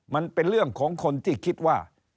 มันเป็นเรื่องของคนที่คิดว่า